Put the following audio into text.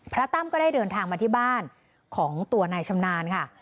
ตั้มก็ได้เดินทางมาที่บ้านของตัวนายชำนาญค่ะ